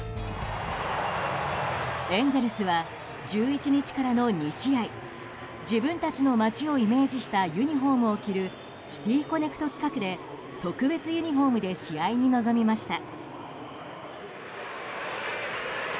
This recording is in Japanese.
エンゼルスは１１日からの２試合自分たちの街をイメージしたユニホームを着るシティ・コネクト企画で特別ユニホームで試合に臨みました。